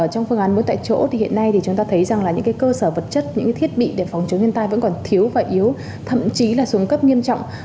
trong phương án bốn tại chỗ thì hiện nay thì chúng ta thấy rằng là những cơ sở vật chất những thiết bị để phòng chống thiên tai vẫn còn thiếu và yếu thậm chí là xuống cấp nghiêm trọng